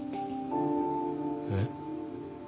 えっ？